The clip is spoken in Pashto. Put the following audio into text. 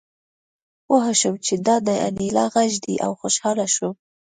پوه شوم چې دا د انیلا غږ دی او خوشحاله شوم